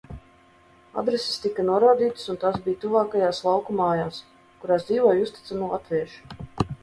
Adreses tika norādītas un tās bija tuvākajās lauku mājās, kurās dzīvoja uzticami latvieši.